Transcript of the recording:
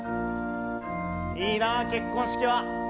いいな、結婚式は。